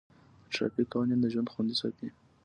د ټرافیک قوانین د ژوند خوندي ساتي.